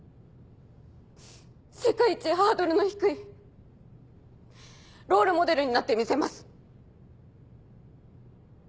世界一ハードルの低いロールモデルになってみせます。